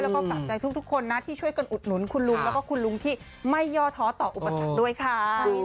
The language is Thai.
แล้วก็กลับใจทุกคนนะที่ช่วยกันอุดหนุนคุณลุงแล้วก็คุณลุงที่ไม่ย่อท้อต่ออุปสรรคด้วยค่ะ